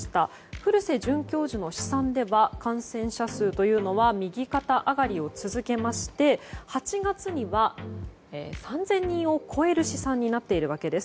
古瀬准教授の試算では感染者数というのは右肩上がりを続けまして８月には３０００人を超える試算になっているわけです。